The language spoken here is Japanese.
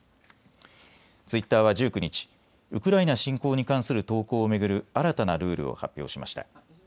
ツイッターは１９日、ウクライナ侵攻に関する投稿を巡る新たなルールを発表しました。